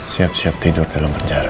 siap siap tidur dalam penjara